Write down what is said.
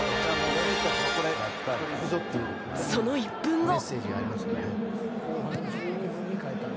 その１分後。